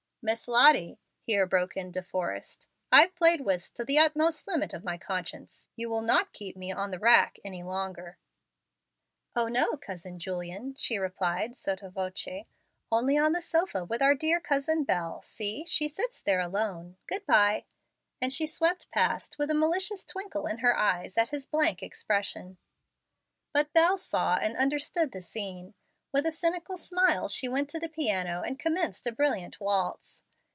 "Miss Lottie," here broke in De Forrest, "I've played whist to the utmost limit of my conscience. You will not keep me on the rack any longer." "O, no, Cousin Julian," she replied, sotto voce, "only on the sofa with our dear cousin Bel. See, she sits there alone. Good by," and she swept past, with a malicious twinkle in her eyes at his blank expression. But Bel saw and understood the scene. With a cynical smile she went to the piano, and commenced a brilliant waltz.